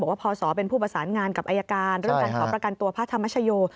พศเป็นผู้ประสานงานกับอายการเรื่องการขอประกันตัวพระธรรมชโย